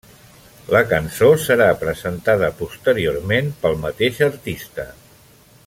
La cançó serà presentada posteriorment pel mateix artista.